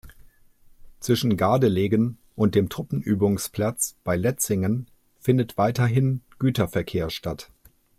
Zwischen Gardelegen und dem Truppenübungsplatz bei Letzlingen findet weiterhin Güterverkehr statt.